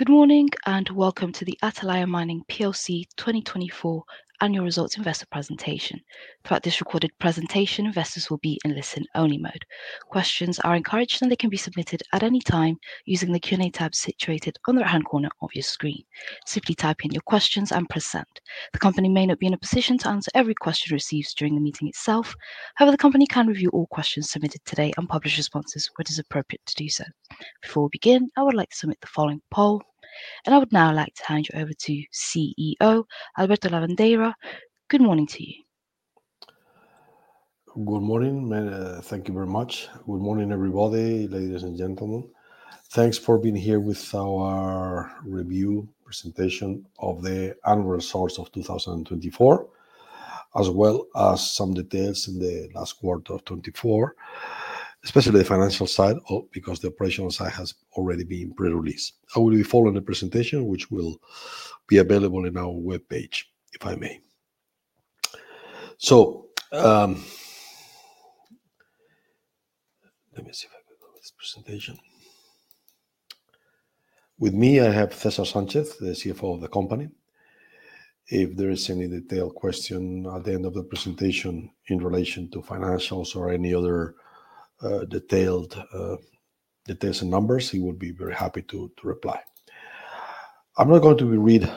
Good morning and welcome to the Atalaya Mining 2024 Annual Results Investor Presentation. Throughout this recorded presentation, investors will be in listen-only mode. Questions are encouraged, and they can be submitted at any time using the Q&A tab situated on the right-hand corner of your screen. Simply type in your questions and press send. The company may not be in a position to answer every question received during the meeting itself. However, the company can review all questions submitted today and publish responses where it is appropriate to do so. Before we begin, I would like to submit the following poll, and I would now like to hand you over to CEO, Alberto Lavandeira. Good morning to you. Good morning. Thank you very much. Good morning, everybody, ladies and gentlemen. Thanks for being here with our review presentation of the annual results of 2024, as well as some details in the last quarter of 2024, especially the financial side, because the operational side has already been pre-released. I will be following the presentation, which will be available in our web page, if I may. Let me see if I can do this presentation. With me, I have César Sánchez, the CFO of the company. If there is any detailed question at the end of the presentation in relation to financials or any other, detailed, details and numbers, he would be very happy to reply. I'm not going to re-read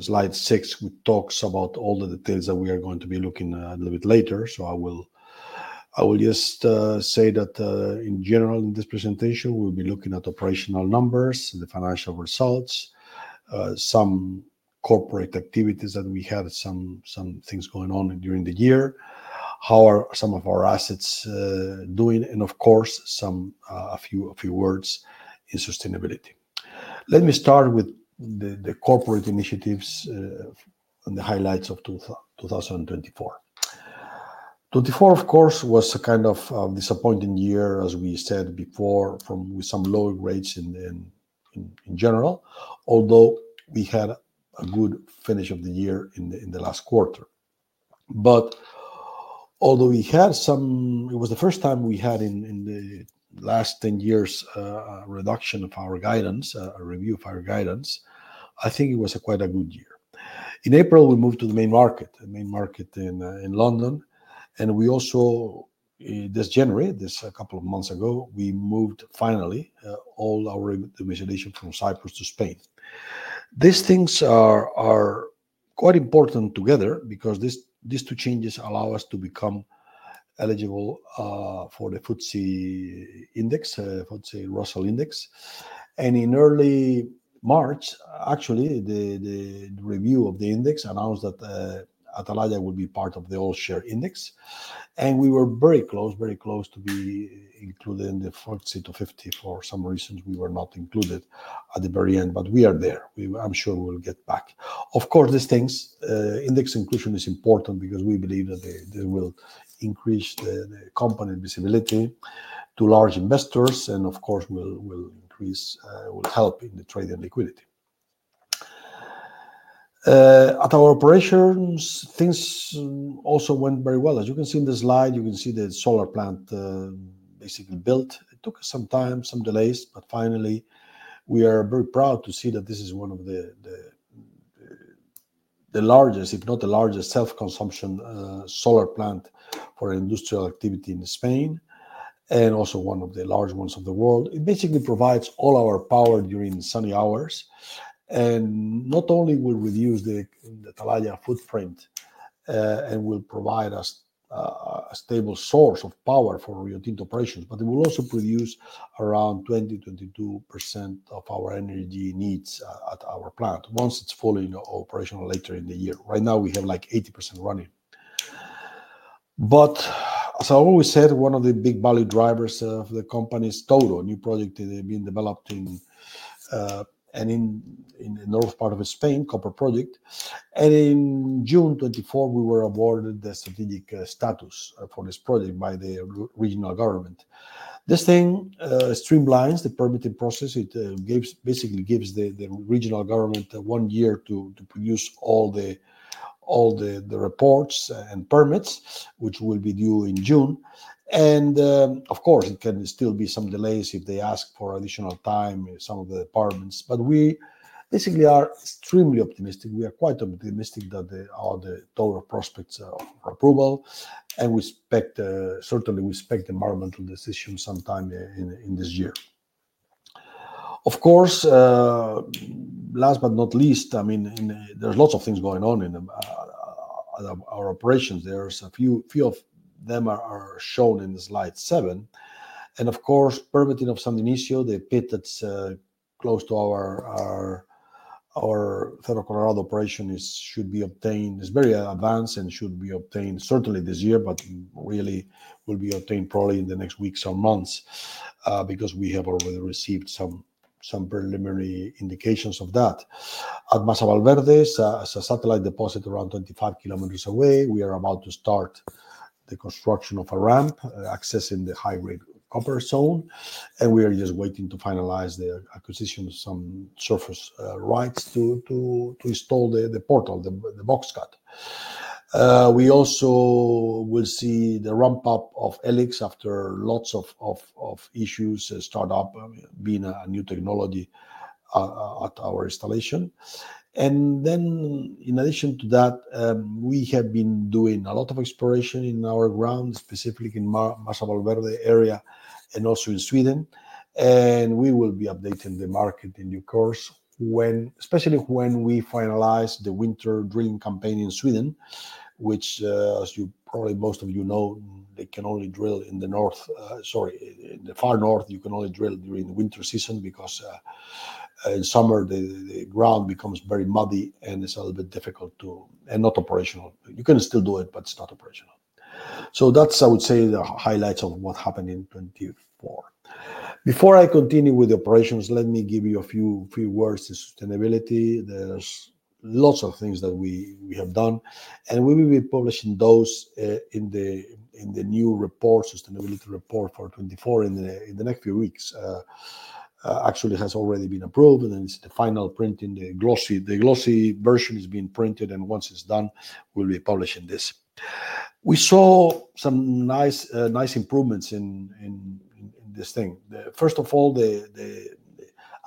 slide six, which talks about all the details that we are going to be looking at a little bit later, so I will just say that, in general, in this presentation, we'll be looking at operational numbers, the financial results, some corporate activities that we have, some things going on during the year, how are some of our assets doing, and of course, a few words in sustainability. Let me start with the corporate initiatives, and the highlights of 2024. 2024, of course, was a kind of a disappointing year, as we said before, with some low rates in general, although we had a good finish of the year in the last quarter. Although we had some, it was the first time we had in the last 10 years, a reduction of our guidance, a review of our guidance, I think it was quite a good year. In April, we moved to the Main Market, the Main Market in London, and we also this January, a couple of months ago, we moved finally, all our domiciliation from Cyprus to Spain. These things are quite important together because these two changes allow us to become eligible for the FTSE Russell Index. In early March, actually, the review of the index announced that Atalaya will be part of the All-Share Index, and we were very close, very close to be included in the FTSE 250. For some reasons, we were not included at the very end, but we are there. We, I'm sure we'll get back. Of course, these things, index inclusion is important because we believe that they will increase the company visibility to large investors, and of course, will help in the trade and liquidity. At our operations, things also went very well. As you can see in the slide, you can see the solar plant, basically built. It took some time, some delays, but finally, we are very proud to see that this is one of the largest, if not the largest, self-consumption solar plant for industrial activity in Spain, and also one of the large ones of the world. It basically provides all our power during sunny hours, and not only will reduce the Atalaya footprint, and will provide us a stable source of power for Rio Tinto operations, but it will also produce around 20%-22% of our energy needs at our plant once it's fully operational later in the year. Right now, we have like 80% running. As I always said, one of the big value drivers of the company's Touro new project that has been developed in, and in the north part of Spain, Copper Project. In June 2024, we were awarded the strategic status for this project by the regional government. This thing streamlines the permitting process. It basically gives the regional government one year to produce all the reports and permits, which will be due in June. Of course, it can still be some delays if they ask for additional time, some of the departments, but we basically are extremely optimistic. We are quite optimistic that the other total prospects of approval, and we expect, certainly we expect environmental decisions sometime in this year. Of course, last but not least, I mean, there's lots of things going on in our operations. A few of them are shown in slide seven. Of course, permitting of San Dionisio, the pit that's close to our Cerro Colorado operation, should be obtained. It's very advanced and should be obtained certainly this year, but really will be obtained probably in the next weeks or months, because we have already received some preliminary indications of that. At Masa Valverde, as a satellite deposit around 25 kms away, we are about to start the construction of a ramp accessing the high-grade copper zone, and we are just waiting to finalize the acquisition of some surface rights to install the portal, the box cut. We also will see the ramp-up of E-LIX after lots of issues start up being a new technology at our installation. In addition to that, we have been doing a lot of exploration in our ground, specifically in Masa Valverde area and also in Sweden, and we will be updating the market in due course, especially when we finalize the winter drilling campaign in Sweden, which, as you probably most of you know, they can only drill in the far north, you can only drill during the winter season because, in summer, the ground becomes very muddy and it's a little bit difficult to and not operational. You can still do it, but it's not operational. That is, I would say, the highlights of what happened in 2024. Before I continue with the operations, let me give you a few words to sustainability. There's lots of things that we have done, and we will be publishing those in the new report, sustainability report for 2024 in the next few weeks. Actually, it has already been approved, and it's the final printing, the glossy version is being printed, and once it's done, we'll be publishing this. We saw some nice improvements in this thing. First of all, the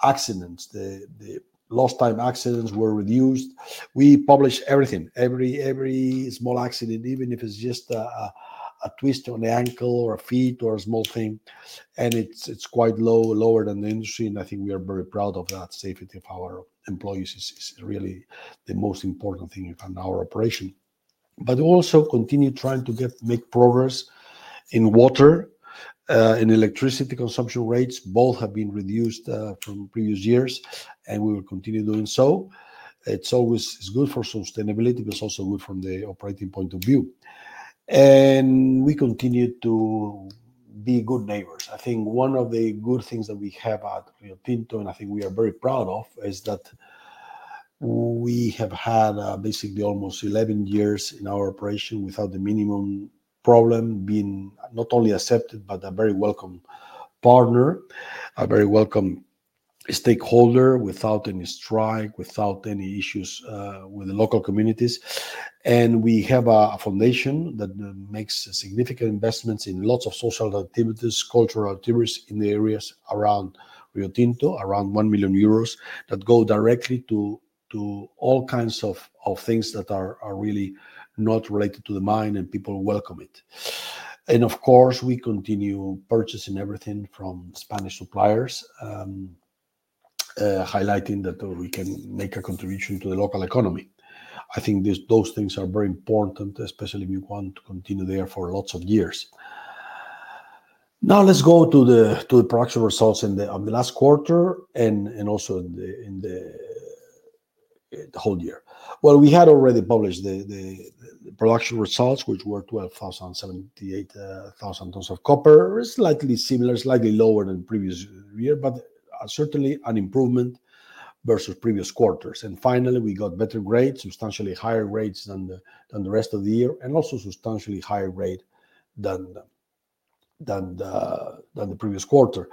accidents, the lost time accidents were reduced. We publish everything, every small accident, even if it's just a twist on the ankle or a feet or a small thing, and it's quite lower than the industry, and I think we are very proud of that. Safety of our employees is really the most important thing in our operation. We also continue trying to make progress in water, in electricity consumption rates. Both have been reduced from previous years, and we will continue doing so. It's always good for sustainability, but it's also good from the operating point of view. We continue to be good neighbors. I think one of the good things that we have at Rio Tinto, and I think we are very proud of, is that we have had basically almost 11 years in our operation without the minimum problem, being not only accepted, but a very welcome partner, a very welcome stakeholder, without any strike, without any issues with the local communities. We have a foundation that makes significant investments in lots of social activities, cultural activities in the areas around Rio Tinto, around 1 million euros that go directly to all kinds of things that are really not related to the mine, and people welcome it. Of course, we continue purchasing everything from Spanish suppliers, highlighting that we can make a contribution to the local economy. I think those things are very important, especially if you want to continue there for lots of years. Now let's go to the production results in the last quarter and also in the whole year. We had already published the production results, which were 12,078 tons of copper, slightly similar, slightly lower than previous year, but certainly an improvement versus previous quarters. Finally, we got better grades, substantially higher grades than the rest of the year, and also substantially higher grade than the previous quarter.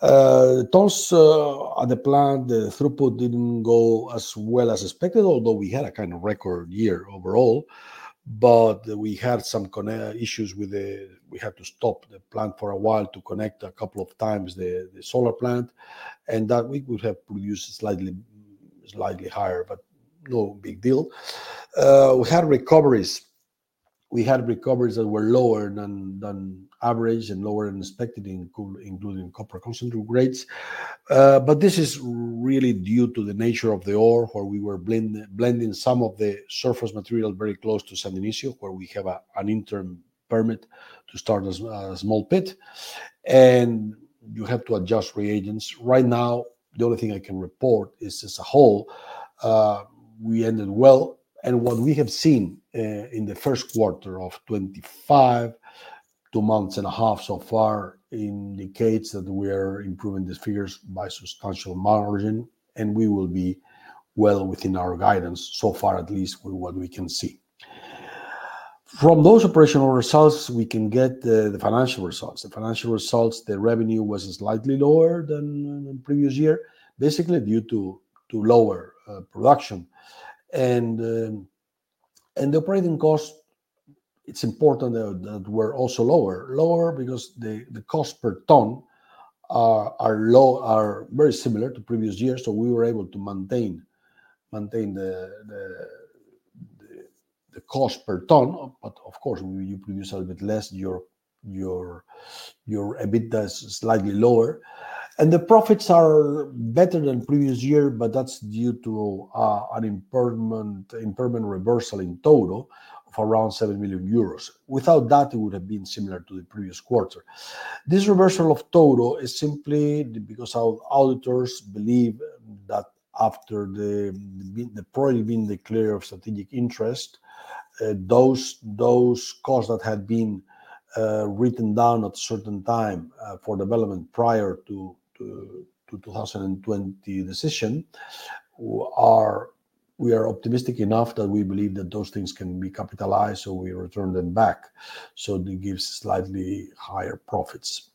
Tons at the plant, the throughput did not go as well as expected, although we had a kind of record year overall, but we had some issues with the plant. We had to stop the plant for a while to connect a couple of times the solar plant, and that we would have produced slightly higher, but no big deal. We had recoveries. We had recoveries that were lower than average and lower than expected, including copper concentrate grades. This is really due to the nature of the ore where we were blending some of the surface material very close to San Dionisio, where we have an interim permit to start a small pit, and you have to adjust reagents. Right now, the only thing I can report is as a whole, we ended well. What we have seen, in the first quarter of 2025, two months and a half so far, indicates that we are improving these figures by substantial margin, and we will be well within our guidance so far, at least with what we can see. From those operational results, we can get the financial results. The financial results, the revenue was slightly lower than in previous year, basically due to lower production. The operating cost, it's important that were also lower because the cost per ton are low, are very similar to previous year, so we were able to maintain the cost per ton, but of course, you produce a little bit less, your EBITDA is slightly lower. The profits are better than previous year, but that's due to an impairment reversal in total of around 7 million euros. Without that, it would have been similar to the previous quarter. This reversal of total is simply because auditors believe that after the project being declared of strategic interest, those costs that had been written down at a certain time for development prior to 2020 decision, we are optimistic enough that we believe that those things can be capitalized, so we return them back, so it gives slightly higher profits.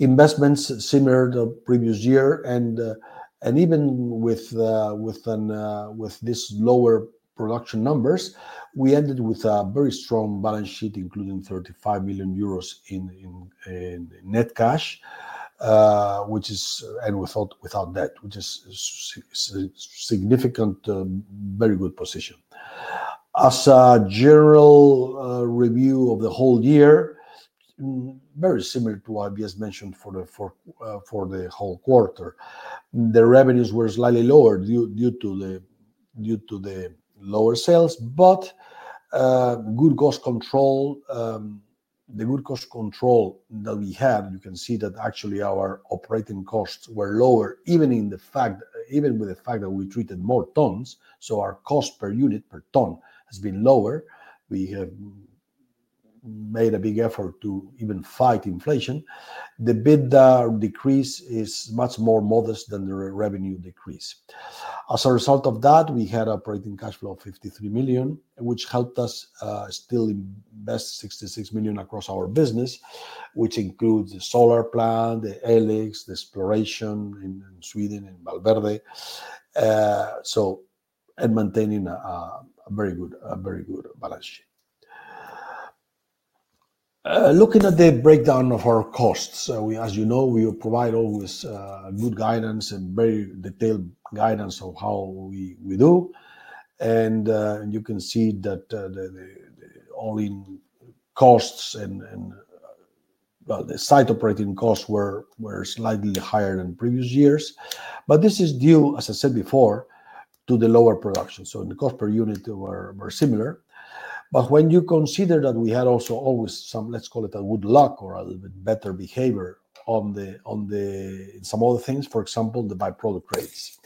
Investments similar to previous year, and even with this lower production numbers, we ended with a very strong balance sheet, including 35 million euros in net cash, which is and without debt, which is a significant, very good position. As a general review of the whole year, very similar to what I just mentioned for the whole quarter, the revenues were slightly lower due to the lower sales, but good cost control, the good cost control that we have, you can see that actually our operating costs were lower, even with the fact that we treated more tons, so our cost per unit per ton has been lower. We have made a big effort to even fight inflation. EBITDA decrease is much more modest than the revenue decrease. As a result of that, we had an operating cash flow of 53 million, which helped us still invest 66 million across our business, which includes the solar plant, the E-LIX, the exploration in Sweden, in Valverde, and maintaining a very good balance sheet. Looking at the breakdown of our costs, we, as you know, we provide always good guidance and very detailed guidance of how we do. You can see that the all-in costs and, well, the site operating costs were slightly higher than previous years, but this is due, as I said before, to the lower production. The cost per unit were similar, but when you consider that we had also always some, let's call it a good luck or a little bit better behavior on some other things, for example, the byproduct rates.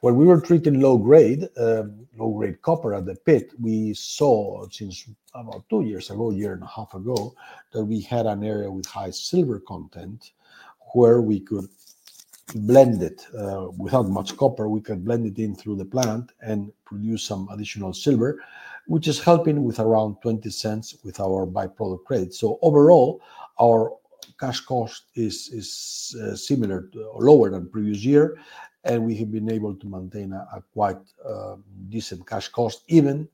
When we were treating low grade, low grade copper at the pit, we saw since about two years ago, a year and a half ago, that we had an area with high silver content where we could blend it, without much copper, we could blend it in through the plant and produce some additional silver, which is helping with around $0.20 with our byproduct credit. Overall, our cash cost is, is similar to lower than previous year, and we have been able to maintain a quite, decent cash cost, even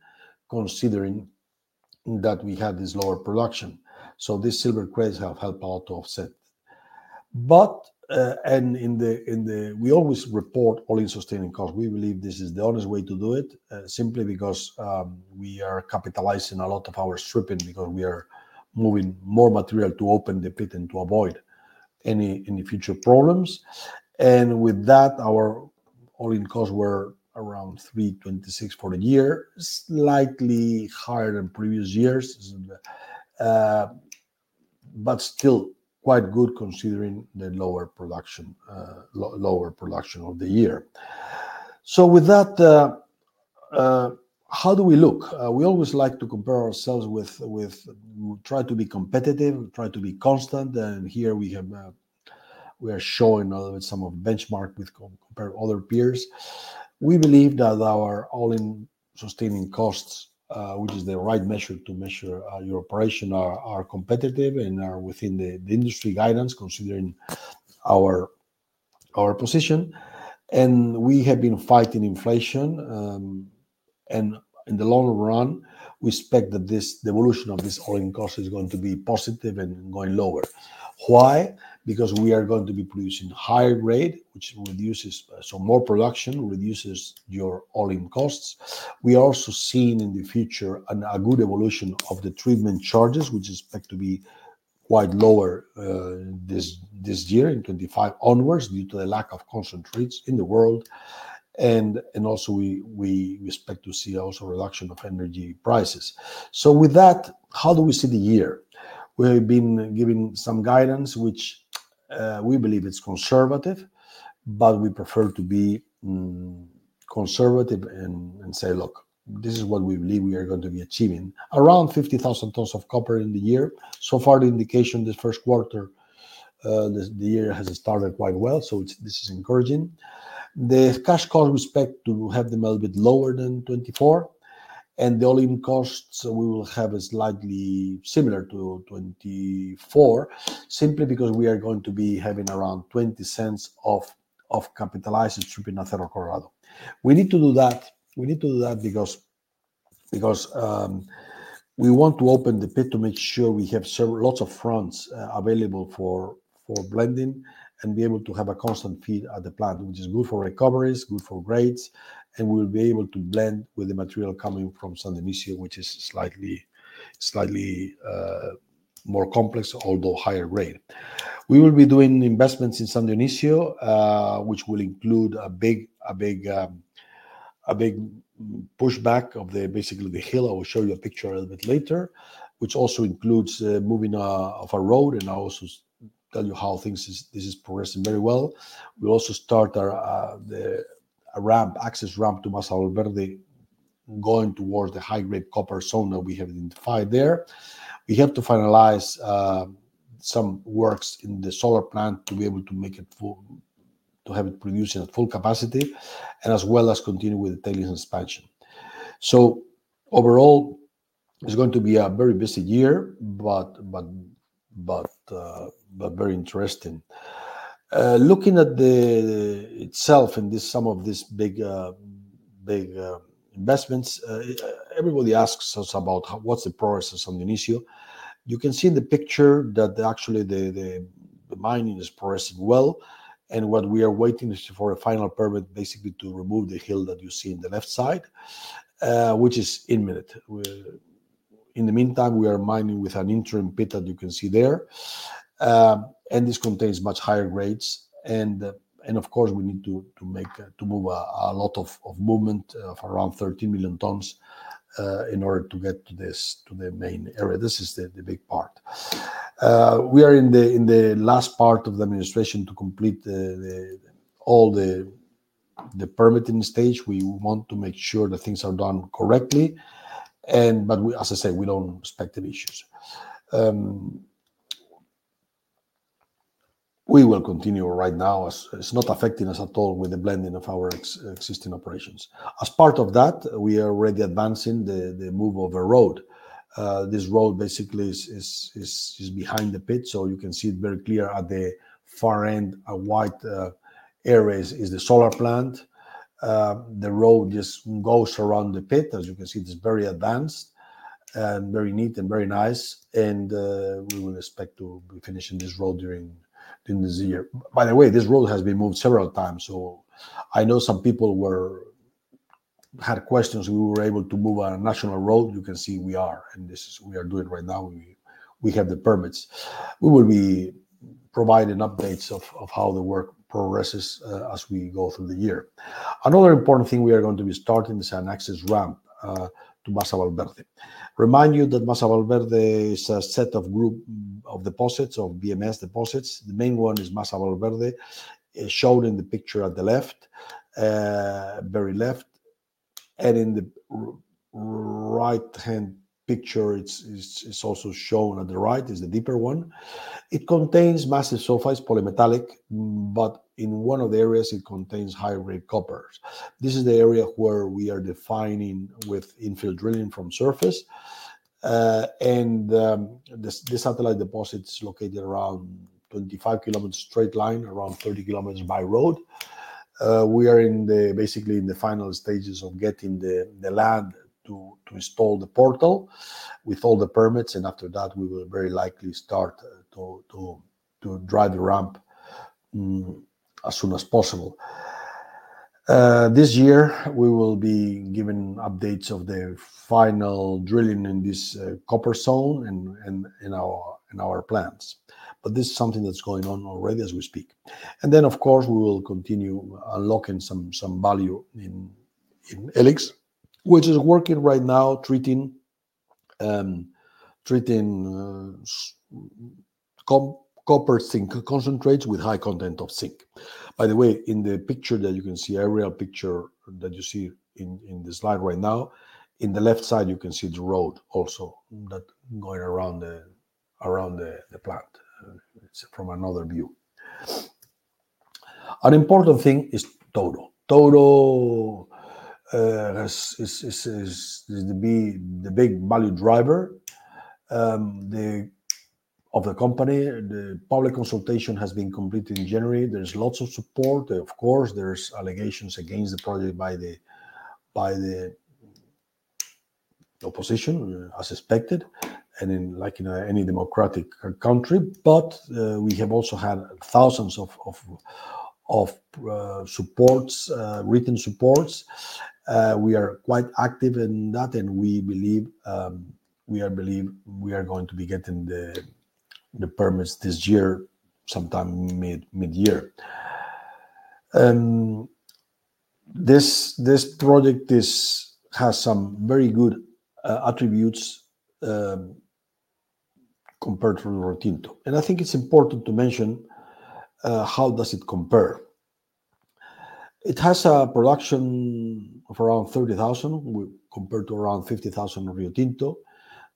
considering that we had this lower production. These silver credits have helped a lot to offset. In the, in the, we always report all-in sustaining costs. We believe this is the honest way to do it, simply because we are capitalizing a lot of our stripping because we are moving more material to open the pit and to avoid any future problems. With that, our all-in costs were around 326 for the year, slightly higher than previous years, but still quite good considering the lower production, lower production of the year. How do we look? We always like to compare ourselves with, try to be competitive, try to be constant, and here we are showing a little bit some of benchmark to compare other peers. We believe that our all-in sustaining costs, which is the right measure to measure your operation, are competitive and are within the industry guidance considering our position. We have been fighting inflation, and in the long run, we expect that the evolution of this all-in cost is going to be positive and going lower. Why? Because we are going to be producing higher grade, which reduces, so more production reduces your all-in costs. We are also seeing in the future a good evolution of the treatment charges, which is expected to be quite lower this year and in 2025 onwards due to the lack of concentrates in the world. We expect to see also a reduction of energy prices. With that, how do we see the year? We have been giving some guidance, which we believe is conservative, but we prefer to be conservative and say, look, this is what we believe we are going to be achieving. Around 50,000 tons of copper in the year. So far, the indication this first quarter, the year has started quite well, so this is encouraging. The cash cost we expect to have them a little bit lower than 2024, and the all-in costs we will have is slightly similar to 2024, simply because we are going to be having around $0.20 of capitalized stripping at Cerro Colorado. We need to do that. We need to do that because, we want to open the pit to make sure we have lots of fronts available for blending and be able to have a constant feed at the plant, which is good for recoveries, good for grades, and we will be able to blend with the material coming from San Dionisio, which is slightly, slightly more complex, although higher grade. We will be doing investments in San Dionisio, which will include a big pushback of the basically the hill. I will show you a picture a little bit later, which also includes moving of a road, and I'll also tell you how things this is progressing very well. We'll also start our ramp access ramp to Masa Valverde going towards the high grade copper zone that we have identified there. We have to finalize some works in the solar plant to be able to make it full to have it produced at full capacity and as well as continue with the tailings expansion. Overall, it's going to be a very busy year, but very interesting. Looking at the itself in this some of these big investments, everybody asks us about what's the progress of San Dionisio. You can see in the picture that actually the mining is progressing well, and what we are waiting for is a final permit basically to remove the hill that you see on the left side, which is imminent. In the meantime, we are mining with an interim pit that you can see there, and this contains much higher grades, and of course we need to make to move a lot of movement of around 13 million tons in order to get to this to the main area. This is the big part. We are in the last part of the administration to complete all the permitting stage. We want to make sure that things are done correctly, and as I say, we do not expect the issues. We will continue right now as it's not affecting us at all with the blending of our existing operations. As part of that, we are already advancing the move of a road. This road basically is behind the pit, so you can see it very clear at the far end, a white area is the solar plant. The road just goes around the pit, as you can see, it's very advanced and very neat and very nice, and we will expect to be finishing this road during this year. By the way, this road has been moved several times, so I know some people had questions we were able to move our national road. You can see we are, and this is what we are doing right now. We have the permits. We will be providing updates of how the work progresses as we go through the year. Another important thing we are going to be starting is an access ramp to Masa Valverde. Remind you that Masa Valverde is a set of group of deposits of VMS deposits. The main one is Masa Valverde, is shown in the picture at the left, very left, and in the right hand picture, it's also shown at the right, is the deeper one. It contains massive sulfides, polymetallic, but in one of the areas, it contains high grade coppers. This is the area where we are defining with infill drilling from surface, and the satellite deposit is located around 25 km straight line, around 30 km by road. We are basically in the final stages of getting the land to install the portal with all the permits, and after that, we will very likely start to drive the ramp as soon as possible. This year, we will be giving updates of the final drilling in this copper zone and in our plants, but this is something that's going on already as we speak. Of course, we will continue unlocking some value in E-LIX, which is working right now treating copper zinc concentrates with high content of zinc. By the way, in the picture that you can see, aerial picture that you see in this line right now, in the left side, you can see the road also that going around the plant. It's from another view. An important thing is Touro. Touro is the big value driver of the company. The public consultation has been completed in January. There's lots of support. Of course, there's allegations against the project by the opposition, as expected, like in any democratic country, but we have also had thousands of supports, written supports. We are quite active in that, and we believe we are going to be getting the permits this year, sometime mid-year. This project has some very good attributes compared to Rio Tinto, and I think it's important to mention how does it compare. It has a production of around 30,000 compared to around 50,000 of Rio Tinto.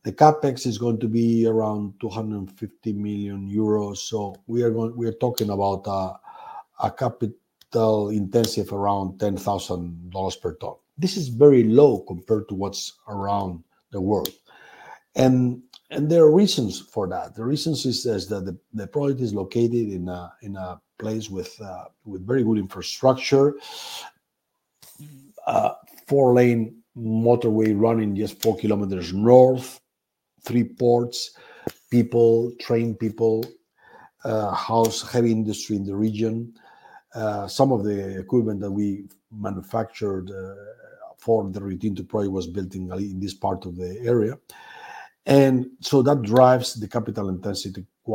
The capex is going to be around 250 million euros, so we are talking about a capital intensive around $10,000 per ton. This is very low compared to what's around the world, and there are reasons for that. The reasons is that the project is located in a place with very good infrastructure, four-lane motorway running just 4 km north, three ports, people, trained people, house heavy industry in the region. Some of the equipment that we manufactured for the Rio Tinto project was built in this part of the area, and so that drives the capital intensity to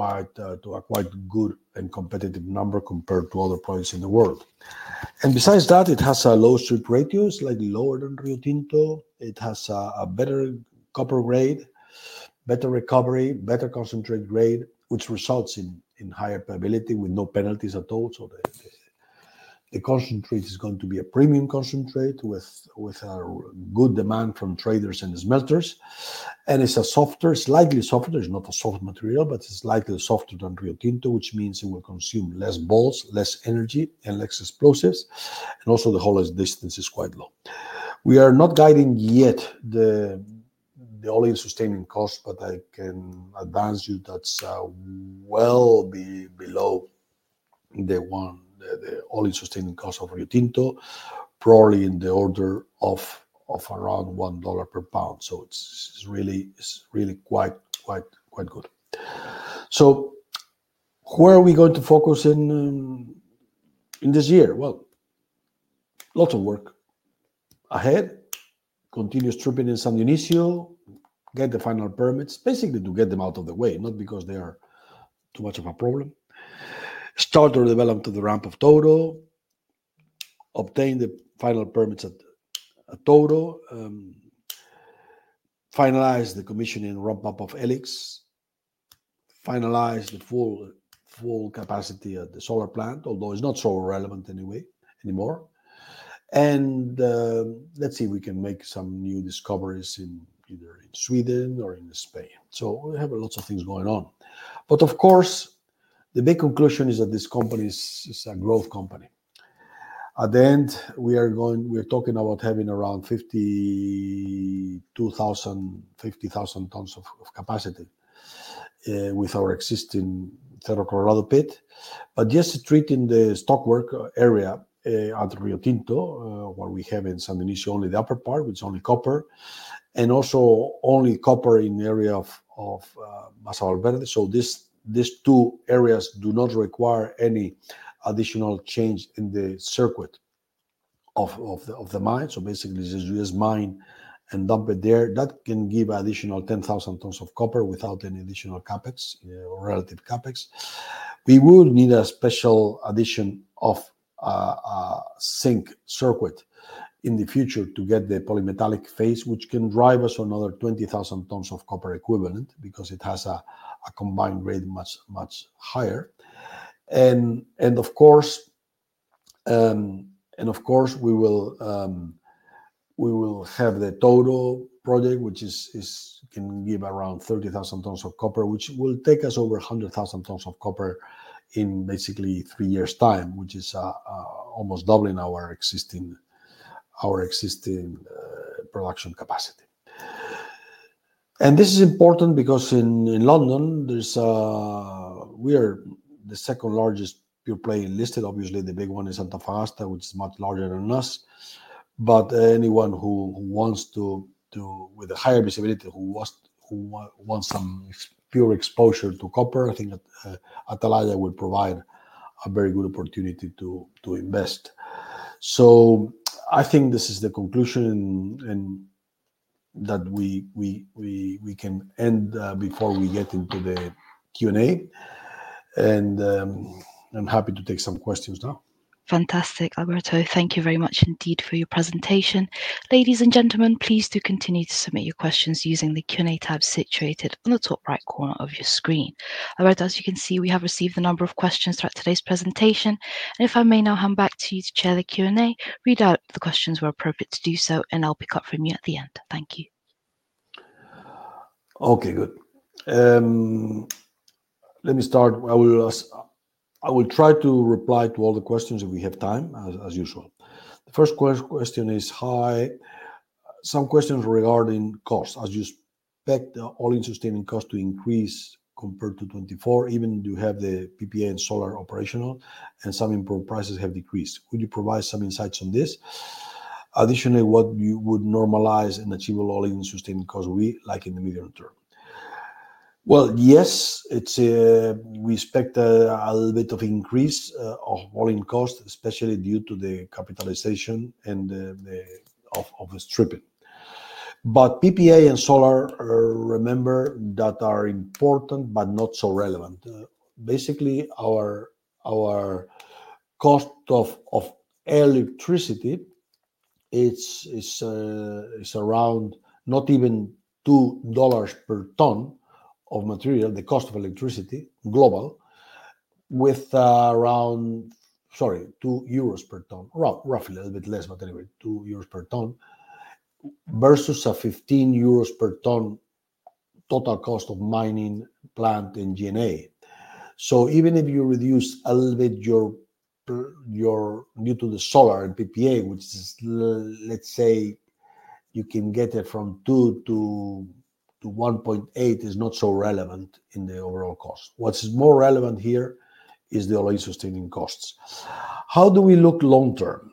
a quite good and competitive number compared to other projects in the world. Besides that, it has a low strip ratio, slightly lower than Rio Tinto. It has a better copper grade, better recovery, better concentrate grade, which results in higher payability with no penalties at all. The concentrate is going to be a premium concentrate with a good demand from traders and smelters, and it's a softer, slightly softer. It's not a soft material, but it's slightly softer than Rio Tinto, which means it will consume less balls, less energy, and less explosives, and also the haul distance is quite low. We are not guiding yet the all-in sustaining cost, but I can advance you that it will be below the all-in sustaining cost of Rio Tinto, probably in the order of around $1 per pound. It is really quite good. Where are we going to focus in this year? Lots of work ahead. Continue stripping in San Dionisio, get the final permits, basically to get them out of the way, not because they are too much of a problem. Start or develop to the ramp of Touro, obtain the final permits at Touro, finalize the commissioning ramp up of E-LIX, finalize the full full capacity at the solar plant, although it's not so relevant anyway anymore. Let's see if we can make some new discoveries in either in Sweden or in Spain. We have lots of things going on, but of course, the big conclusion is that this company is a growth company. At the end, we are talking about having around 52,000-50,000 tons of capacity with our existing Cerro Colorado pit, but just treating the stockwork area at Rio Tinto, where we have in San Dionisio only the upper part, which is only copper, and also only copper in the area of Masa Valverde. These two areas do not require any additional change in the circuit of the mine. Basically, it's just mine and dump it there. That can give additional 10,000 tons of copper without any additional CapEx or relative CapEx. We will need a special addition of zinc circuit in the future to get the polymetallic phase, which can drive us another 20,000 tons of copper equivalent because it has a combined grade much, much higher. Of course, we will have the Touro project, which can give around 30,000 tons of copper, which will take us over 100,000 tons of copper in basically three years' time, which is almost doubling our existing production capacity. This is important because in London, we are the second largest pure play listed. Obviously, the big one is Antofagasta, which is much larger than us, but anyone who wants higher visibility, who wants some pure exposure to copper, I think Atalaya will provide a very good opportunity to invest. I think this is the conclusion and that we can end before we get into the Q&A, and I'm happy to take some questions now. Fantastic, Alberto. Thank you very much indeed for your presentation. Ladies and gentlemen, please do continue to submit your questions using the Q&A tab situated on the top right corner of your screen. Alberto, as you can see, we have received a number of questions throughout today's presentation, and if I may now hand back to you to chair the Q&A, read out the questions where appropriate to do so, and I'll pick up from you at the end. Thank you. Okay, good. Let me start. I will try to reply to all the questions if we have time, as usual. The first question is, hi, some questions regarding cost. As you expect, the all-in sustaining cost to increase compared to 2024, even you have the PPA and solar operational, and some improved prices have decreased. Could you provide some insights on this? Additionally, what you would normalize and achieve all-in sustaining cost, we like in the medium term? Yes, we expect a little bit of increase of all-in cost, especially due to the capitalization and the stripping. PPA and solar, remember that are important but not so relevant. Basically, our cost of electricity, it's around not even $2 per ton of material, the cost of electricity global, with around, sorry, 2 euros per ton, roughly a little bit less material, 2 euros per ton versus a 15 euros per ton total cost of mining plant in G&A. Even if you reduce a little bit your cost due to the solar and PPA, which is, let's say, you can get it from 2 to 1.8, it's not so relevant in the overall cost. What's more relevant here is the all-in sustaining costs. How do we look long term?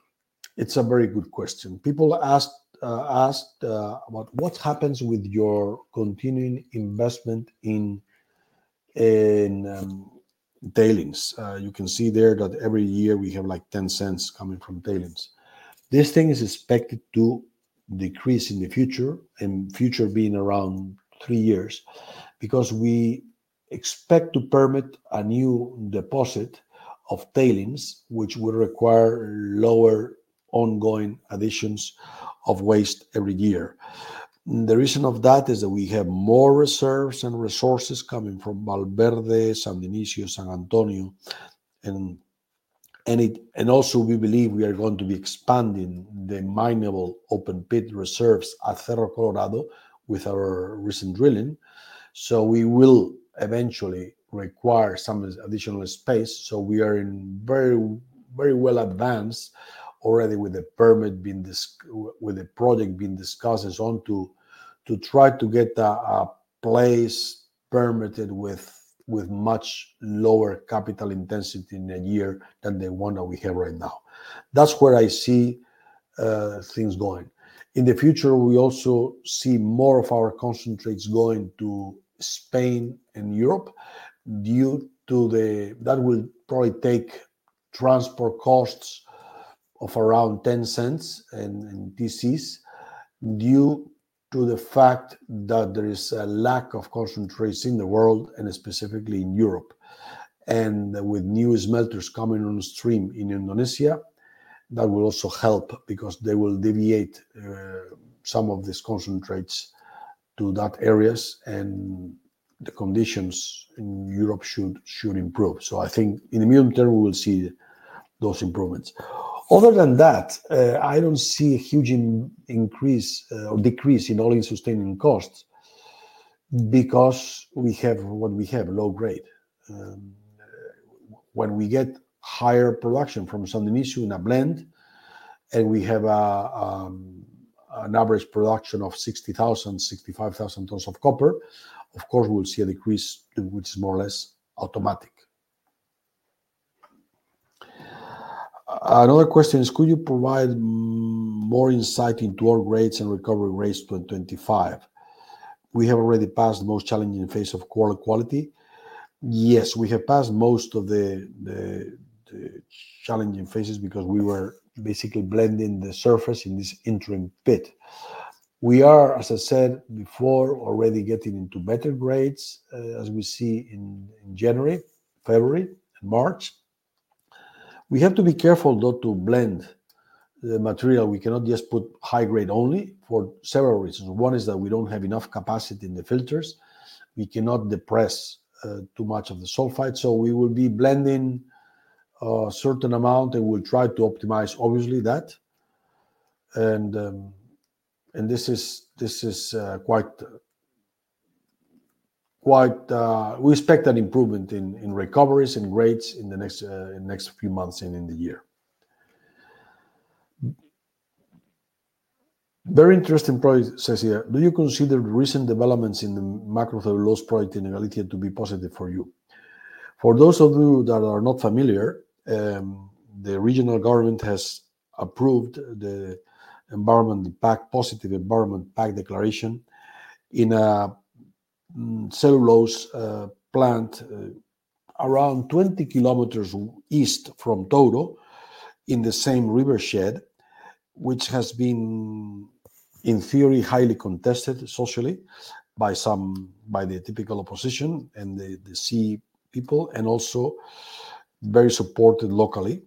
It's a very good question. People asked about what happens with your continuing investment in tailings. You can see there that every year we have like $0.10 coming from tailings. This thing is expected to decrease in the future, and future being around three years, because we expect to permit a new deposit of tailings, which will require lower ongoing additions of waste every year. The reason for that is that we have more reserves and resources coming from Masa Valverde, San Dionisio, San Antonio, and also we believe we are going to be expanding the minable open pit reserves at Cerro Colorado with our recent drilling. We will eventually require some additional space. We are in very, very well advanced already with the permit, with the project being discussed, to try to get a place permitted with much lower capital intensity in a year than the one that we have right now. That's where I see things going. In the future, we also see more of our concentrates going to Spain and Europe due to the fact that will probably take transport costs of around $0.10, and due to the fact that there is a lack of concentrates in the world and specifically in Europe. With new smelters coming on stream in Indonesia, that will also help because they will deviate some of these concentrates to that area, and the conditions in Europe should improve. I think in the medium term, we will see those improvements. Other than that, I don't see a huge increase or decrease in all-in sustaining costs because we have what we have, low grade. When we get higher production from San Dionisio in a blend and we have an average production of 60,000 tons-65,000 tons of copper, of course, we'll see a decrease, which is more or less automatic. Another question is, could you provide more insight into our rates and recovery rates to 2025? We have already passed the most challenging phase of quality. Yes, we have passed most of the challenging phases because we were basically blending the surface in this interim pit. We are, as I said before, already getting into better grades as we see in January, February, and March. We have to be careful though to blend the material. We cannot just put high grade only for several reasons. One is that we don't have enough capacity in the filters. We cannot depress too much of the sulfite, so we will be blending a certain amount and we'll try to optimize, obviously, that. This is quite, quite, we expect an improvement in recoveries and grades in the next few months and in the year. Very interesting project, César. Do you consider the recent developments in the macro-cellulose project in Galicia to be positive for you? For those of you that are not familiar, the regional government has approved the environmental pack, positive environmental impact declaration in a cellulose plant around 20 km east from Touro in the same river shed, which has been in theory highly contested socially by some, by the typical opposition and the sea people, and also very supported locally.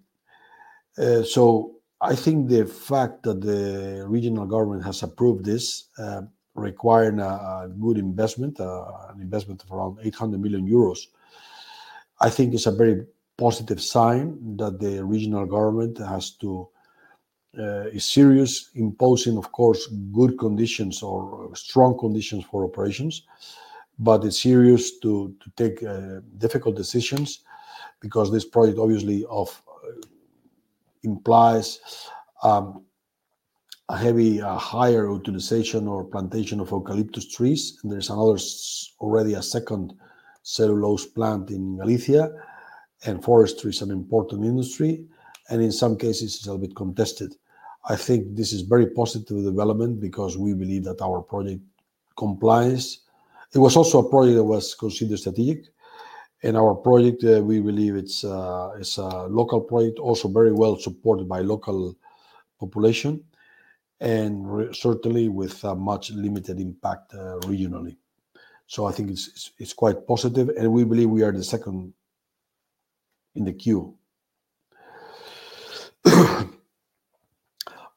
I think the fact that the regional government has approved this requiring a good investment, an investment of around 800 million euros, I think is a very positive sign that the regional government is serious imposing, of course, good conditions or strong conditions for operations, but is serious to take difficult decisions because this project obviously implies a heavy higher utilization or plantation of eucalyptus trees. There is already a second cellulose plant in Galicia, and forestry is an important industry, and in some cases it is a little bit contested. I think this is a very positive development because we believe that our project compliance. It was also a project that was considered strategic, and our project, we believe it is a local project, also very well supported by local population and certainly with a much limited impact regionally. I think it's quite positive, and we believe we are the second in the queue.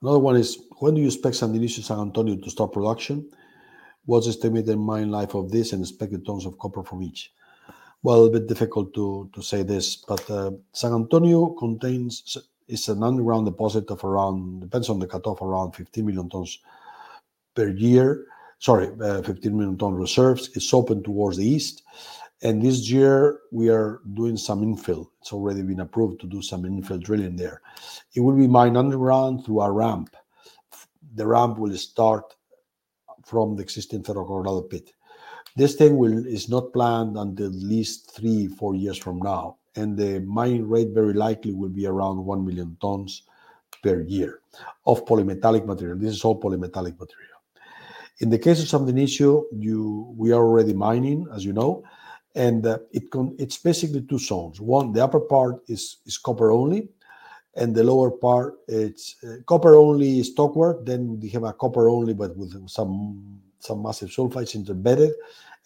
Another one is, when do you expect San Dionisio, San Antonio to start production? What's the estimated mine life of this and expected tons of copper from each? Well, a bit difficult to say this, but San Antonio is an underground deposit of around, depends on the cut-off, around 15 million tons. It's open towards the east, and this year we are doing some infill. It's already been approved to do some infill drilling there. It will be mined underground through a ramp. The ramp will start from the existing Cerro Colorado pit. This is not planned until at least three-four years from now, and the mining rate very likely will be around 1 million tons per year of polymetallic material. This is all polymetallic material. In the case of San Dionisio, we are already mining, as you know, and it's basically two zones. One, the upper part is copper only, and the lower part, it's copper only stockwork. Then we have a copper only, but with some massive sulfides interbedded,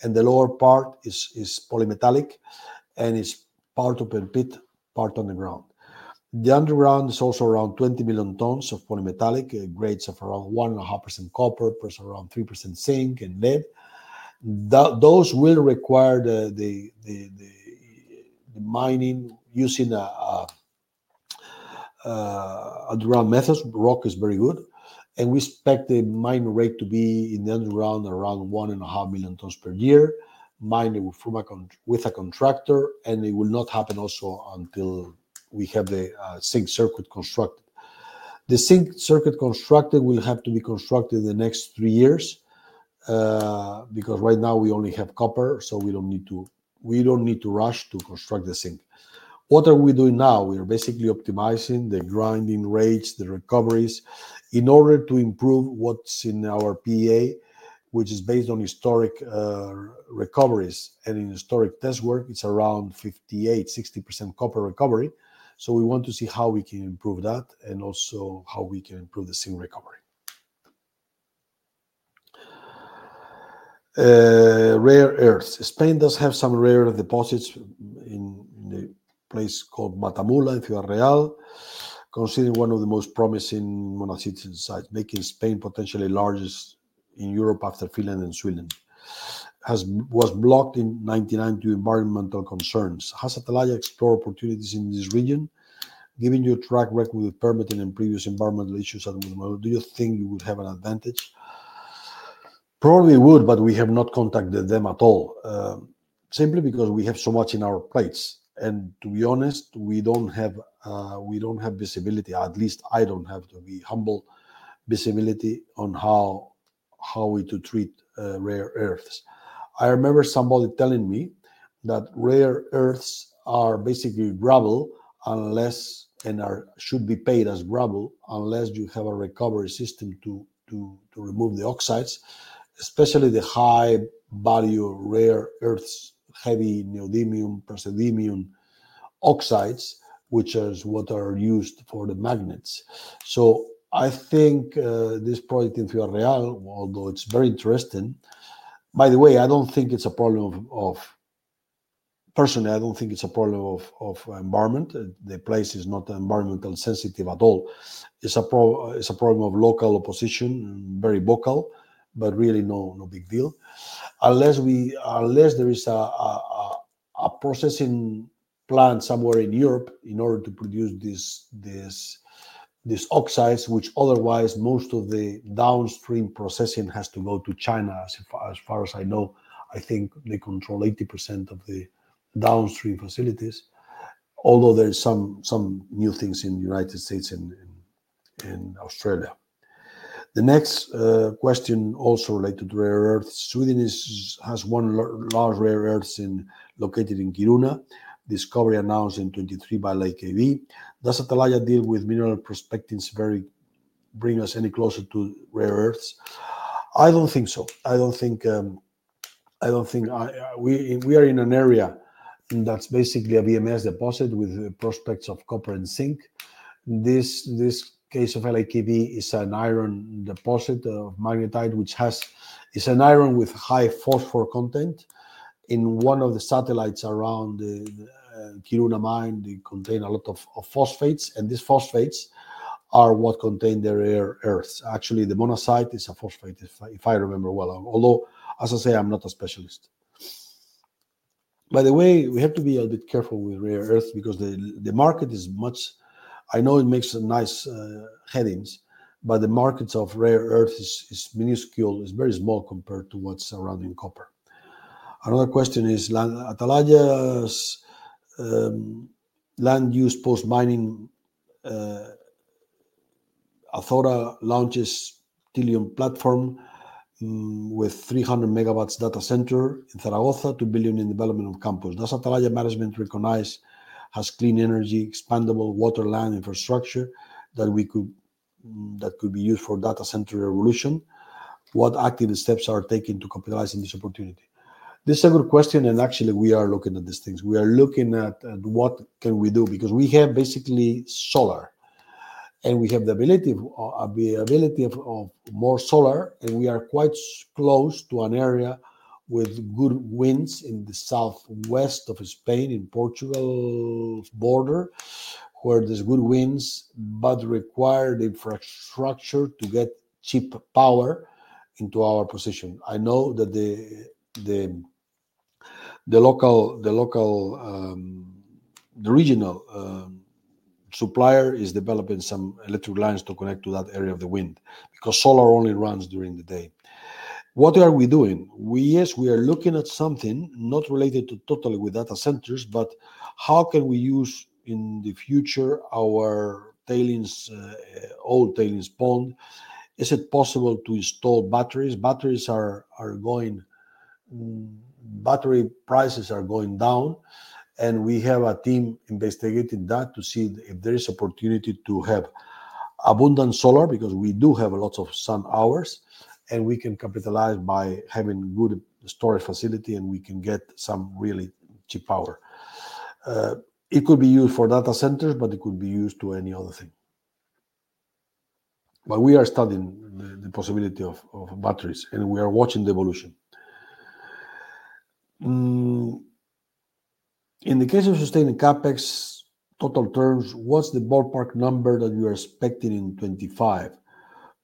and the lower part is polymetallic, and it's part open pit, part underground. The underground is also around 20 million tons of polymetallic, grades of around 1.5% copper, plus around 3% zinc and lead. Those will require the mining using underground methods. Rock is very good, and we expect the mining rate to be in the underground around 1.5 million tons per year, mining with a contractor, and it will not happen also until we have the zinc circuit constructed. The zinc circuit constructed will have to be constructed in the next three years because right now we only have copper, so we do not need to rush to construct the zinc. What are we doing now? We are basically optimizing the grinding rates, the recoveries in order to improve what is in our PPA, which is based on historic recoveries and in historic test work. It is around 58%-60% copper recovery. We want to see how we can improve that and also how we can improve the zinc recovery. Rare earths. Spain does have some rare deposits in a place called Matamulas, in Ciudad Real, considered one of the most promising monazite sites, making Spain potentially largest in Europe after Finland and Sweden. It was blocked in 1990 due to environmental concerns. Has Atalaya explored opportunities in this region, giving you a track record with permitting and previous environmental issues? Do you think you would have an advantage? Probably would, but we have not contacted them at all, simply because we have so much in our plates. To be honest, we don't have visibility, at least I don't have to be humble visibility on how we to treat rare earths. I remember somebody telling me that rare earths are basically gravel unless and are should be paid as gravel unless you have a recovery system to remove the oxides, especially the high value rare earths, heavy neodymium, praseodymium oxides, which are what are used for the magnets. I think this project in Ciudad Real, although it's very interesting, by the way, I don't think it's a problem of, personally, I don't think it's a problem of environment. The place is not environmentally sensitive at all. It's a problem of local opposition, very vocal, but really no big deal. Unless there is a processing plant somewhere in Europe in order to produce these oxides, which otherwise most of the downstream processing has to go to China. As far as I know, I think they control 80% of the downstream facilities, although there are some new things in the United States and in Australia. The next question also related to rare earths. Sweden has one large rare earth located in Kiruna, discovery announced in 2023 by LKAB. Does Atalaya deal with mineral prospecting? Very bring us any closer to rare earths? I don't think so. I don't think I don't think we are in an area that's basically a VMS deposit with prospects of copper and zinc. This case of LKAB is an iron deposit of magnetite, which has is an iron with high phosphorus content. In one of the satellites around the Kiruna mine, they contain a lot of phosphates, and these phosphates are what contain the rare earths. Actually, the monazite is a phosphate, if I remember well, although, as I say, I'm not a specialist. By the way, we have to be a little bit careful with rare earths because the market is much I know it makes nice headings, but the markets of rare earths is minuscule. It's very small compared to what's surrounding copper. Another question is Atalaya's land use post-mining. Azora launches Tillion platform with 300 MW data center in Zaragoza, 2 billion in development of campus. Does Atalaya management recognize has clean energy, expandable water land infrastructure that we could that could be used for data center revolution? What active steps are taken to capitalize on this opportunity? This is a good question, and actually we are looking at these things. We are looking at what can we do because we have basically solar and we have the ability of more solar, and we are quite close to an area with good winds in the southwest of Spain, in Portugal's border, where there's good winds but required infrastructure to get cheap power into our position. I know that the local, the regional supplier is developing some electric lines to connect to that area of the wind because solar only runs during the day. What are we doing? Yes, we are looking at something not related totally with data centers, but how can we use in the future our tailings, old tailings pond? Is it possible to install batteries? Battery prices are going down, and we have a team investigating that to see if there is opportunity to have abundant solar because we do have lots of sun hours and we can capitalize by having good storage facility and we can get some really cheap power. It could be used for data centers, but it could be used to any other thing. We are studying the possibility of batteries and we are watching the evolution. In the case of sustaining CapEx total terms, what's the ballpark number that you are expecting in 2025?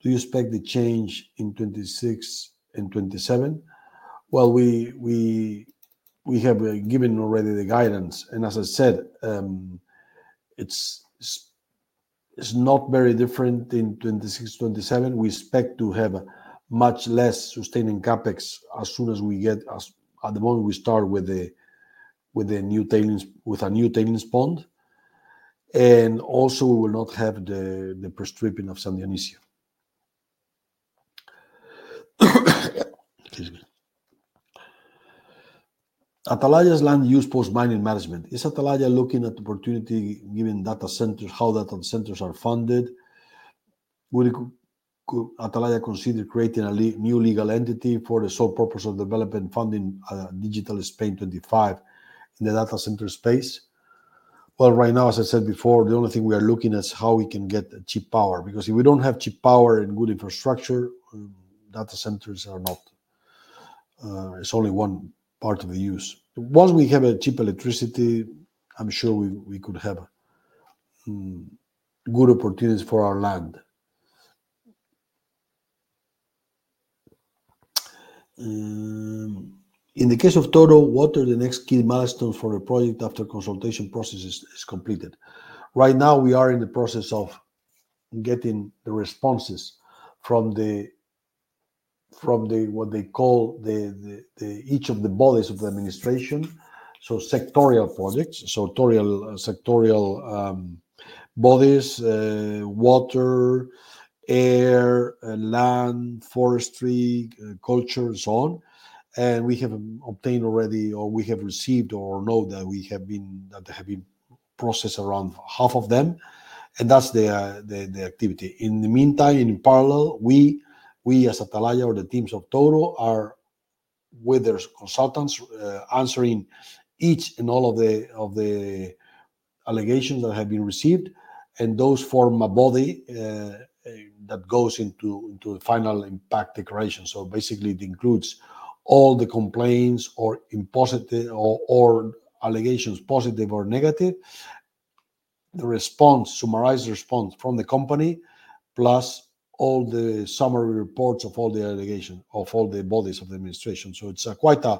Do you expect the change in 2026 and 2027? We have given already the guidance, and as I said, it's not very different in 2026, 2027. We expect to have much less sustaining CapEx as soon as we get at the moment we start with the new tailings, with a new tailings pond. Also, we will not have the pre-stripping of San Dionisio. Atalaya's land use post-mining management. Is Atalaya looking at opportunity given data centers, how data centers are funded? Would Atalaya consider creating a new legal entity for the sole purpose of developing funding Digital Spain 2025 in the data center space? Right now, as I said before, the only thing we are looking at is how we can get cheap power because if we don't have cheap power and good infrastructure, data centers are not, it's only one part of the use. Once we have cheap electricity, I'm sure we could have good opportunities for our land. In the case of Touro, what are the next key milestones for the project after the consultation process is completed? Right now, we are in the process of getting the responses from what they call each of the bodies of the administration, so sectorial projects, so sectorial bodies: water, air, land, forestry, culture, and so on. We have obtained already, or we have received, or know that they have been processed, around half of them. That is the activity. In the meantime, in parallel, we as Atalaya or the teams of Touro are with their consultants answering each and all of the allegations that have been received, and those form a body that goes into the final impact declaration. Basically, it includes all the complaints or impositive or allegations, positive or negative. The response, summarized response from the company, plus all the summary reports of all the allegations of all the bodies of the administration. It is quite a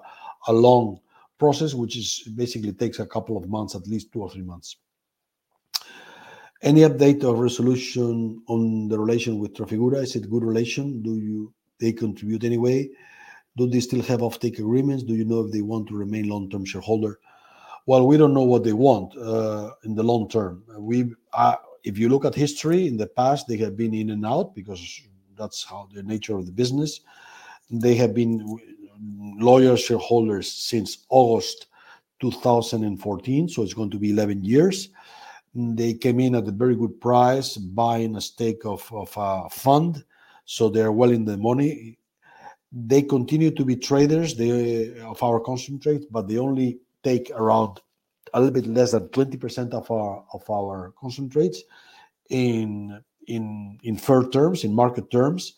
long process, which basically takes a couple of months, at least two or three months. Any update of resolution on the relation with Trafigura? Is it good relation? Do they contribute anyway? Do they still have offtake agreements? Do you know if they want to remain long-term shareholder? We do not know what they want in the long term. If you look at history in the past, they have been in and out because that is how the nature of the business. They have been loyal shareholders since August 2014, so it is going to be 11 years. They came in at a very good price, buying a stake of a fund, so they're well in the money. They continue to be traders of our concentrates, but they only take around a little bit less than 20% of our concentrates in fair terms, in market terms,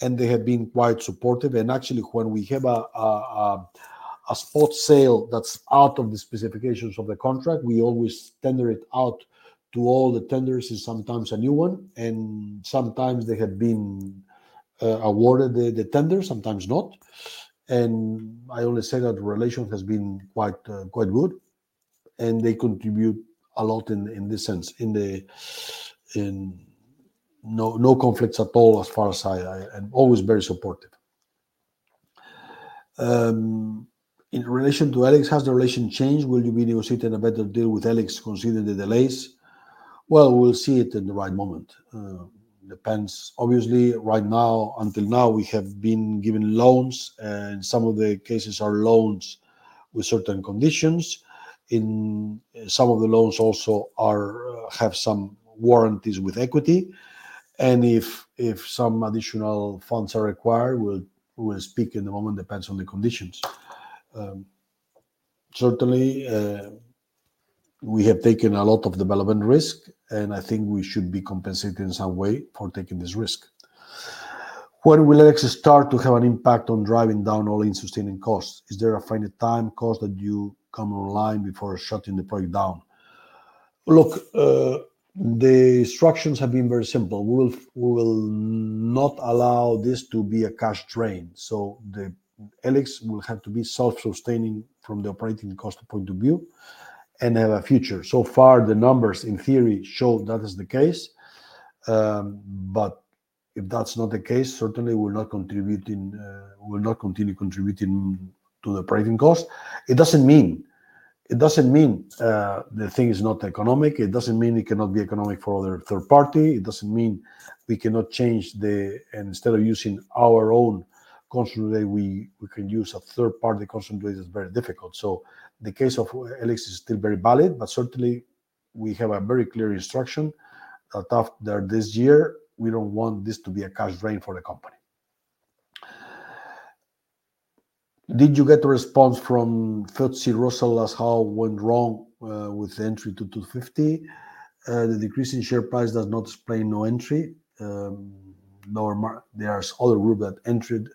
and they have been quite supportive. Actually, when we have a spot sale that's out of the specifications of the contract, we always tender it out to all the tenders, sometimes a new one, and sometimes they have been awarded the tender, sometimes not. I only say that the relation has been quite good, and they contribute a lot in this sense, no conflicts at all as far as I know and always very supportive. In relation to E-LIX, has the relation changed? Will you be negotiating a better deal with E-LIX considering the delays? We'll see it in the right moment. Depends. Obviously, right now, until now, we have been given loans, and some of the cases are loans with certain conditions. In some of the loans also are have some warranties with equity, and if some additional funds are required, we'll speak in the moment. Depends on the conditions. Certainly, we have taken a lot of development risk, and I think we should be compensated in some way for taking this risk. When will E-LIX start to have an impact on driving down all-in sustaining costs? Is there a finite time cost that you come online before shutting the project down? Look, the instructions have been very simple. We will not allow this to be a cash drain. E-LIX will have to be self-sustaining from the operating cost point of view and have a future. So far, the numbers in theory show that is the case, but if that's not the case, certainly we're not contributing, we'll not continue contributing to the operating cost. It doesn't mean the thing is not economic. It doesn't mean it cannot be economic for other third party. It doesn't mean we cannot change the, and instead of using our own concentrate, we can use a third party concentrate. It's very difficult. The case of E-LIX is still very valid, but certainly we have a very clear instruction that after this year, we don't want this to be a cash drain for the company. Did you get a response from FTSE Russell as how went wrong with the entry to 250? The decrease in share price does not explain no entry. There are other groups that entered.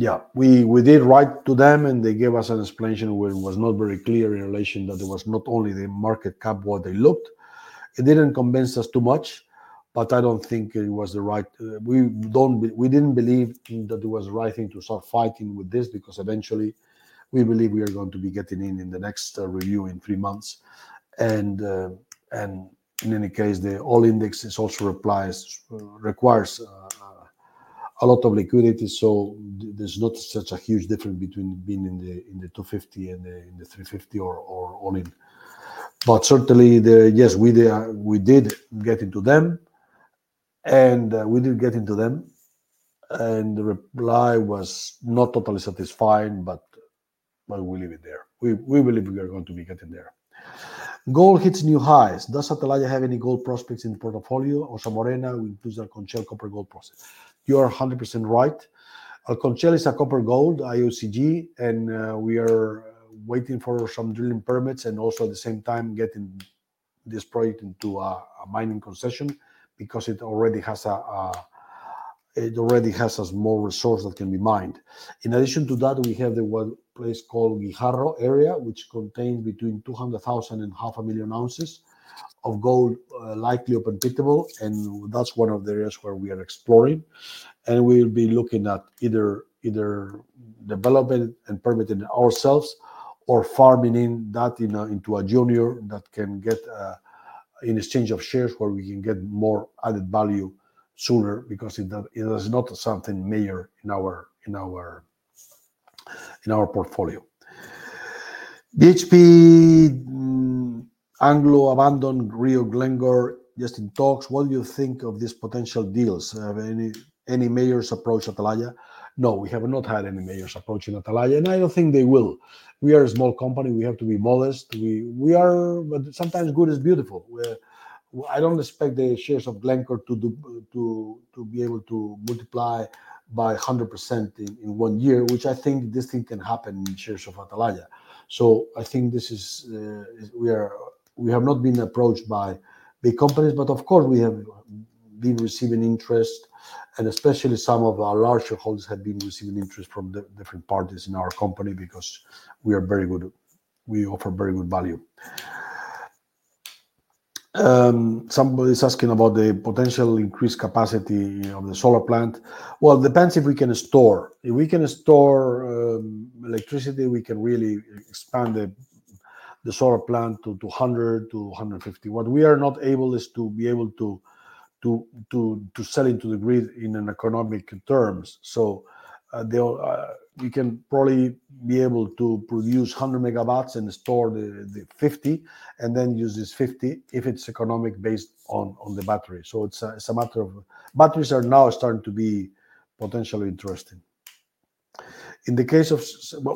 Yeah, we did write to them and they gave us an explanation. It was not very clear in relation that it was not only the market cap what they looked. It did not convince us too much, but I do not think it was the right, we did not believe that it was the right thing to start fighting with this because eventually we believe we are going to be getting in in the next review in three months. In any case, the all indexes also require a lot of liquidity, so there is not such a huge difference between being in the 250 and the 350 or all in. Yes, we did get into them and we did get into them and the reply was not totally satisfying, but we leave it there. We believe we are going to be getting there. Gold hits new highs. Does Atalaya have any gold prospects in the portfolio or Ossa Morena with Alconchel copper gold prospects? You are 100% right. Alconchel is a copper gold IOCG and we are waiting for some drilling permits and also at the same time getting this project into a mining concession because it already has a small resource that can be mined. In addition to that, we have the place called Guijarro area, which contains between 200,000 and 500,000 ounces of gold likely open pittable. That is one of the areas where we are exploring. We will be looking at either developing and permitting ourselves or farming in that into a junior that can get in exchange of shares where we can get more added value sooner because it is not something major in our portfolio. BHP Anglo abandoned Rio. Glencore just in talks. What do you think of these potential deals? Have any majors approached Atalaya? No, we have not had any majors approaching Atalaya and I do not think they will. We are a small company. We have to be modest. Sometimes good is beautiful. I do not expect the shares of Glencore to be able to multiply by 100% in one year, which I think this thing can happen in shares of Atalaya. I think we have not been approached by big companies, but of course we have been receiving interest and especially some of our larger holders have been receiving interest from the different parties in our company because we are very good. We offer very good value. Somebody's asking about the potential increased capacity of the solar plant. It depends if we can store. If we can store electricity, we can really expand the solar plant to 200 to 150. What we are not able is to be able to sell into the grid in economic terms. You can probably be able to produce 100 MW and store the 50 and then use this 50 if it's economic based on the battery. It's a matter of batteries are now starting to be potentially interesting. In the case of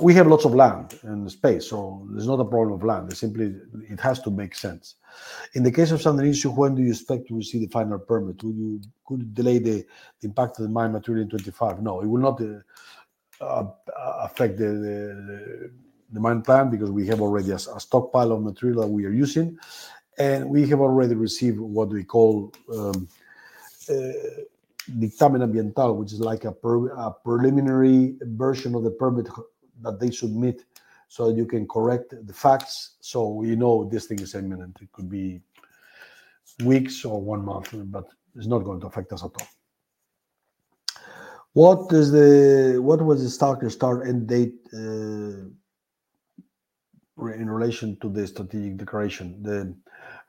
we have lots of land in the space, so there's not a problem of land. It simply has to make sense. In the case of San Dionisio, when do you expect to receive the final permit? Could you delay the impact of the mine material in 2025? No, it will not affect the mine plan because we have already a stockpile of material that we are using and we have already received what we call Dictamen Ambiental, which is like a preliminary version of the permit that they submit so that you can correct the facts. We know this thing is imminent. It could be weeks or one month, but it's not going to affect us at all. What was the start and end date in relation to the Strategic Declaration?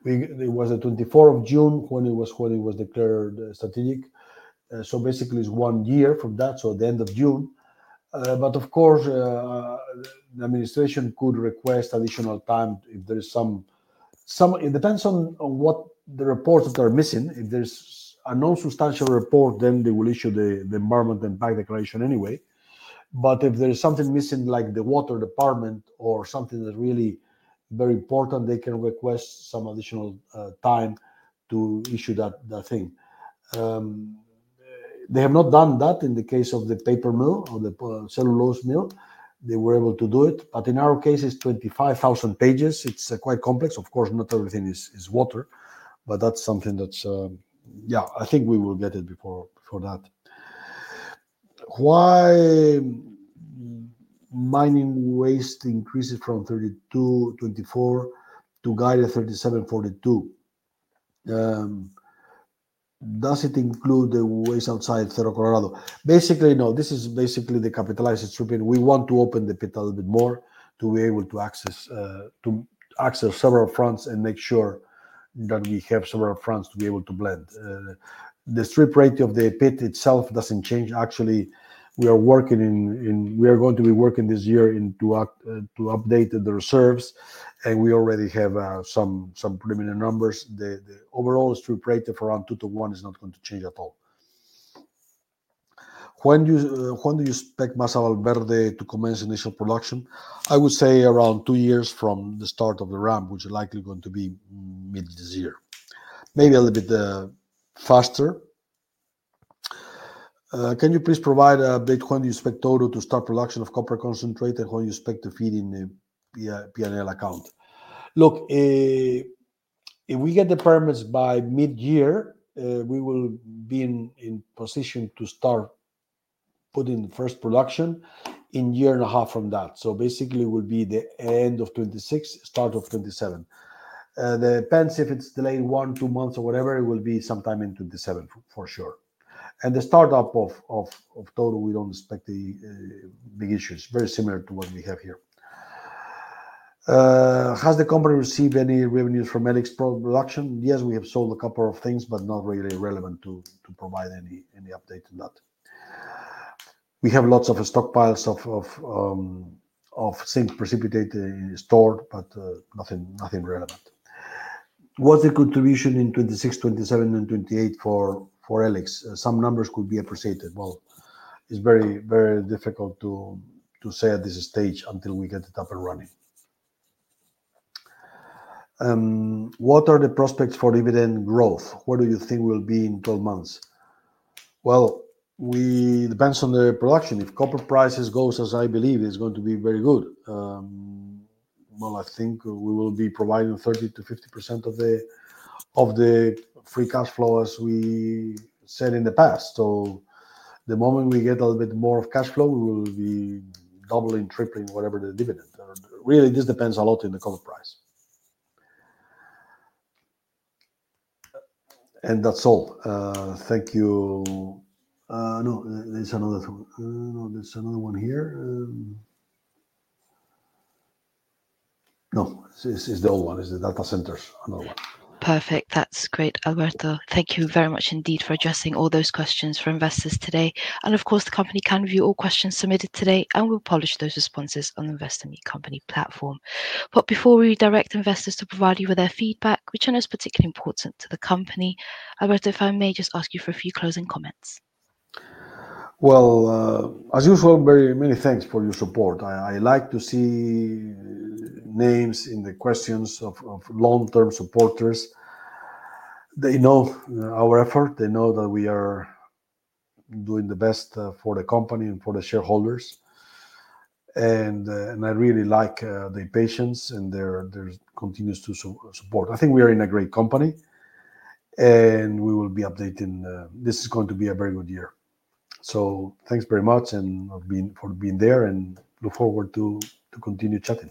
It was the 24th of June when it was declared strategic. Basically, it's one year from that, so the end of June. Of course, the administration could request additional time if there is some, it depends on what the reports that are missing. If there's a non-substantial report, then they will issue the Environmental Impact Declaration anyway. If there is something missing, like the water department or something that's really very important, they can request some additional time to issue that thing. They have not done that in the case of the paper mill or the cellulose mill. They were able to do it, but in our case, it's 25,000 pages. It's quite complex. Of course, not everything is water, but that's something that's, yeah, I think we will get it before that. Why mining waste increases from 32.24 to guide at 37.42? Does it include the waste outside Cerro Colorado? Basically, no. This is basically the capitalized stripping. We want to open the pit a little bit more to be able to access several fronts and make sure that we have several fronts to be able to blend. The strip rate of the pit itself doesn't change. Actually, we are going to be working this year to update the reserves, and we already have some preliminary numbers. The overall strip rate of around 2:1 is not going to change at all. When do you expect Masa Valverde to commence initial production? I would say around two years from the start of the ramp, which is likely going to be mid this year, maybe a little bit faster. Can you please provide a bit when do you expect Touro to start production of copper concentrate and when you expect to feed in the P&L account? Look, if we get the permits by mid-year, we will be in position to start putting the first production in a year and a half from that. Basically, it will be the end of 2026, start of 2027. It depends if it's delayed one, two months or whatever. It will be sometime in 2027 for sure. The startup of Touro, we do not expect big issues. Very similar to what we have here. Has the company received any revenues from E-LIX production? Yes, we have sold a couple of things, but not really relevant to provide any update on that. We have lots of stockpiles of zinc precipitate stored, but nothing relevant. What's the contribution in 2026, 2027, and 2028 for E-LIX? Some numbers could be appreciated. It is very difficult to say at this stage until we get it up and running. What are the prospects for dividend growth? Where do you think we'll be in 12 months? It depends on the production. If copper prices go as I believe, it's going to be very good. I think we will be providing 30%-50% of the free cash flow as we said in the past. The moment we get a little bit more of cash flow, we will be doubling, tripling whatever the dividend. Really, this depends a lot in the copper price. And that's all. Thank you. No, there's another one. No, there's another one here. No, it's the old one. It's the data centers. Another one. Perfect. That's great, Alberto. Thank you very much indeed for addressing all those questions for investors today. Of course, the company can view all questions submitted today and will publish those responses on the Investor Meet Company platform. Before we direct investors to provide you with their feedback, which I know is particularly important to the company, Alberto, if I may just ask you for a few closing comments. As usual, very many thanks for your support. I like to see names in the questions of long-term supporters. They know our effort. They know that we are doing the best for the company and for the shareholders. I really like their patience and their continuous support. I think we are in a great company and we will be updating. This is going to be a very good year. Thanks very much for being there and look forward to continue chatting.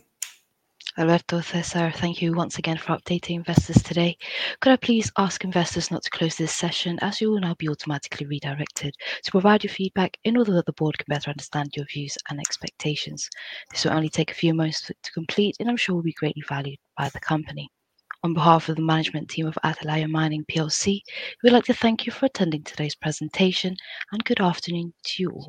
Alberto, César, thank you once again for updating investors today. Could I please ask investors not to close this session as you will now be automatically redirected to provide your feedback in order that the board can better understand your views and expectations? This will only take a few moments to complete and I'm sure will be greatly valued by the company. On behalf of the management team of Atalaya Mining, we'd like to thank you for attending today's presentation and good afternoon to you all.